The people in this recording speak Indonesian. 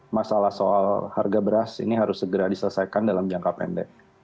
masalah soal harga beras ini harus segera diselesaikan dalam jangka pendek